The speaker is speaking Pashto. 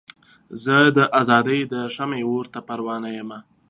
زه د ازادۍ د شمعې اور ته پروانه یمه.